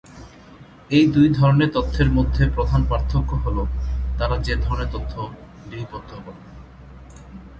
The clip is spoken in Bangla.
এই দুই ধরনের তথ্যের মধ্যে প্রধান পার্থক্য হল, তারা যে ধরনের তথ্য লিপিবদ্ধ করে।